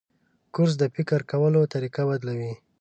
کورس د فکر کولو طریقه بدلوي.